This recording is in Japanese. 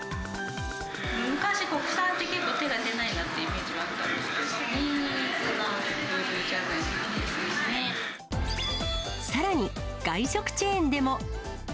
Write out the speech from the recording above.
昔、国産って結構、手が出ないなっていうイメージがあったんですけど、リーズナブルさらに、外食チェーンでも。